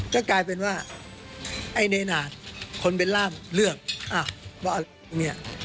ก็กลายเป็นว่าไอ้เนนาดคนเป็นร่ามเลือกอ้าวว่าเนี่ย